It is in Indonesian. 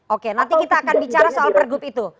oke nanti kita akan bicara soal pergub itu